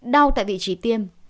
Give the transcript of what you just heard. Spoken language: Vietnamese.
đau tại vị trí tiêm